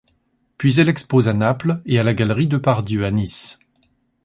Puis elle expose à Naples et à la galerie Depardieu à Nice.